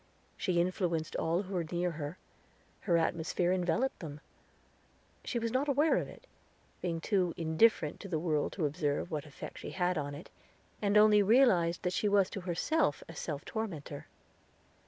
She influenced all who were near her; her atmosphere enveloped them. She was not aware of it, being too indifferent to the world to observe what effect she had in it, and only realized that she was to herself a self tormentor.